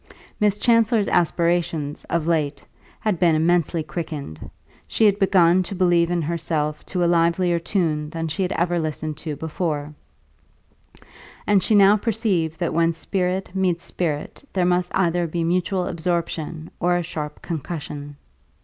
Miss Chancellor's aspirations, of late, had been immensely quickened; she had begun to believe in herself to a livelier tune than she had ever listened to before; and she now perceived that when spirit meets spirit there must either be mutual absorption or a sharp concussion.